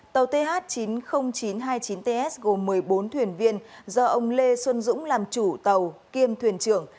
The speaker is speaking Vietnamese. tàu th chín mươi nghìn chín trăm hai mươi chín ts gồm một mươi bốn thuyền viên do ông lê xuân dũng làm chủ tàu kiêm thuyền trưởng